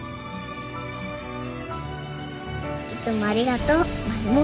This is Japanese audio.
いつもありがとうマルモ。